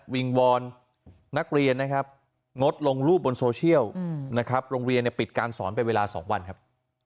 วิงวอนนักเรียนนะครับงดลงรูปบนโซเชียลนะครับโรงเรียนเนี่ยปิดการสอนเป็นเวลา๒วันครับ